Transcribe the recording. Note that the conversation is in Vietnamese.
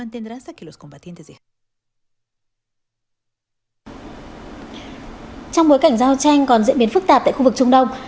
trong bối cảnh giao tranh còn diễn biến phức tạp tại khu vực trung đông